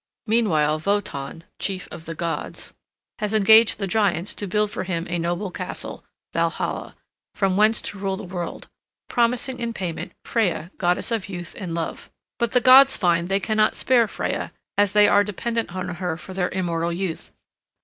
Meanwhile Wotan, chief of the gods, has engaged the giants to build for him a noble castle, Valhalla, from whence to rule the world, promising in payment Freya, goddess of youth and love. But the gods find they cannot spare Freya, as they are dependent on her for their immortal youth.